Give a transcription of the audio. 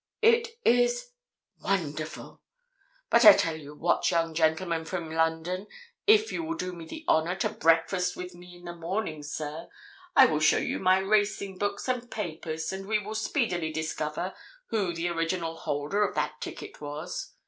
"It is—wonderful! But I tell you what, young gentleman from London, if you will do me the honour to breakfast with me in the morning, sir, I will show you my racing books and papers and we will speedily discover who the original holder of that ticket was.